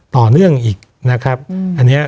ต่อเนื่องอีกนะครับอันนี้